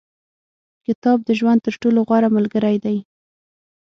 • کتاب، د ژوند تر ټولو غوره ملګری دی.